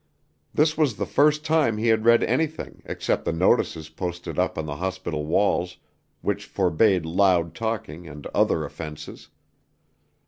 This was the first time he had read anything except the notices posted up on the hospital walls, which forbade loud talking and other offenses.